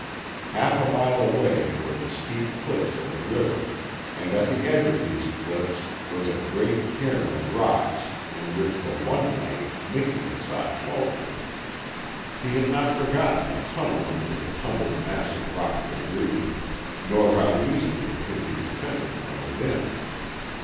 Half a mile away were the steep cliffs of the river, and at the edge of these cliffs was a great cairn of rocks in which for one night Miki had sought shelter. He had not forgotten the tunnel into the tumbled mass of rock debris, nor how easily it could be defended from within.